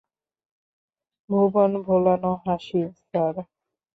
ভুবনভোলানো হাসি, স্যার।